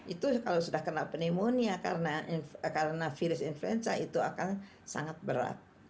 itu kalau sudah kena pneumonia karena virus influenza itu akan sangat berat